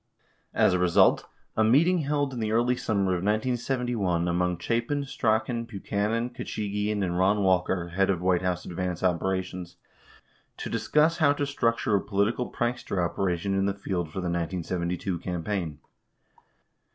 As a result, a meeting held in the early summer of 1971 among Chapin, Strachan, Buchanan, Khachigian, and Eon Walker, head of White House advance operations, to discuss how to structure a politi cal prankster operation in the field for the 1972 campaign.